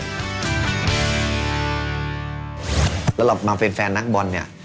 สำหรับมาเป็นแฟนนักบอลเนี่ย